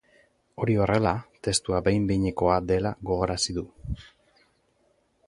Hori horrela, testua behin-behinekoa dela gogorarazi du.